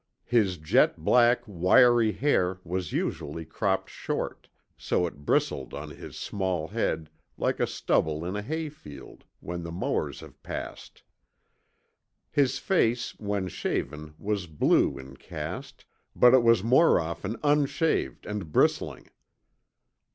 His jet black, wiry hair was usually cropped short, so it bristled on his small head like stubble in a hayfield when the mowers have passed. His face when shaved was blue in cast, but it was more often unshaved and bristling.